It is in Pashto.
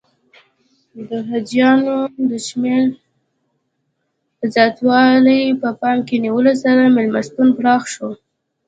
د حاجیانو د شمېر د زیاتوالي په پام کې نیولو سره میلمستون پراخ شو.